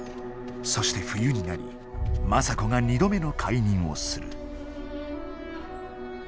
そして冬になり政子が二度目の懐妊をする。